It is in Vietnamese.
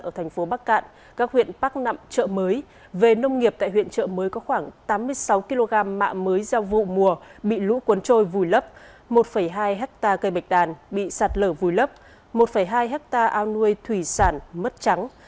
ở thành phố bắc cạn các huyện bắc nậm chợ mới về nông nghiệp tại huyện trợ mới có khoảng tám mươi sáu kg mạ mới gieo vụ mùa bị lũ cuốn trôi vùi lấp một hai hectare cây bạch đàn bị sạt lở vùi lấp một hai hectare ao nuôi thủy sản mất trắng